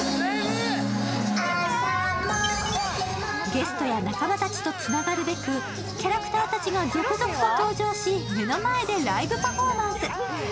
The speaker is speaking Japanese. ゲストや仲間たちとつながるべくキャラクターたちが続々と登場し、目の前でライブパフォーマンス。